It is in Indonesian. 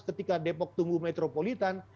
ketika depok tunggu metropolitan